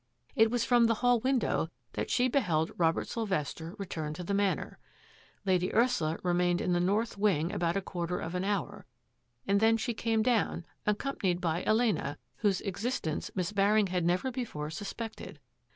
It was from the hall window that she beheld Robert Sylvester return to the Manor. Lady Ursula re mained in the north wing about a quarter of an hour and then she came down, accompanied by Elena, whose existence Miss Baring had never be fore suspected.